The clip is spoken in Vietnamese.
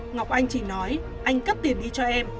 ngọc anh chỉ nói anh cắt tiền đi cho em